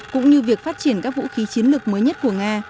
cũng như việc phát triển các vũ khí chiến lược mới nhất của nga